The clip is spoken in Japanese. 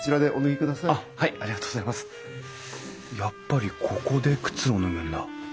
やっぱりここで靴を脱ぐんだ。